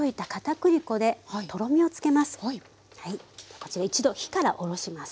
こちら一度火から下ろします。